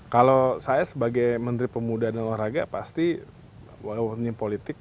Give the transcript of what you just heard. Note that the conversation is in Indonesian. kalau saya sebagai menteri pemuda dan olahraga pasti warning politik